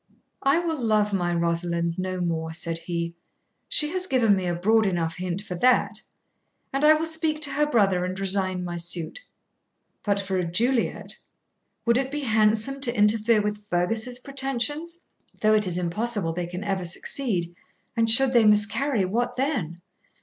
'I will love my Rosalind no more,' said he; 'she has given me a broad enough hint for that; and I will speak to her brother and resign my suit. But for a Juliet would it be handsome to interfere with Fergus's pretensions? though it is impossible they can ever succeed; and should they miscarry, what then?